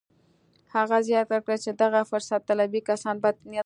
هغه زياته کړه چې دغه فرصت طلبي کسان بد نيت لري.